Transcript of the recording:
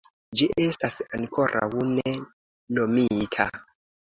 Ĝi estas ankoraŭ ne nomita.